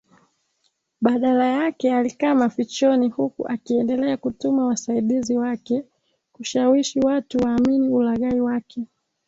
Badala yake alikaa mafichoni huku akiendelea kutuma wasaidizi wake kushawishi watu waamini ulaghai wake